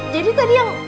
jadi tadi yang